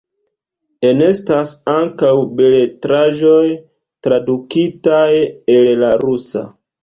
Enestas ankaŭ beletraĵoj tradukitaj el la rusa.